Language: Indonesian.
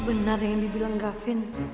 apa benar yang dibilang gafin